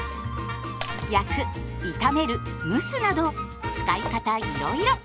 焼く炒める蒸すなど使い方いろいろ。